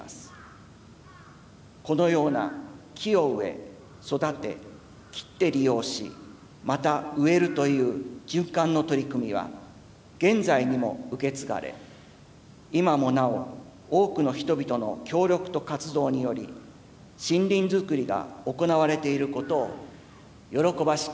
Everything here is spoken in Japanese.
このような「木を植え育て伐って利用しまた植える」という循環の取組は現在にも受け継がれ今もなお多くの人々の協力と活動により森林づくりが行われていることを喜ばしく思います。